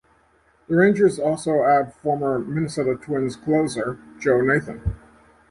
The Rangers also add former Minnesota Twins closer, Joe Nathan.